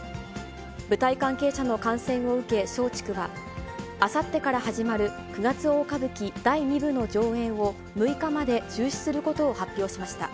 舞台関係者の感染を受け、松竹は、あさってから始まる九月大歌舞伎第二部の上演を、６日まで中止することを発表しました。